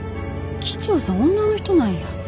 機長さん女の人なんや。